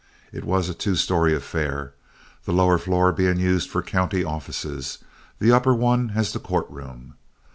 It was a two story affair, the lower floor being used for county offices, the upper one as the court room.